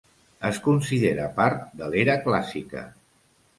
Es considera part de l'era clàssica.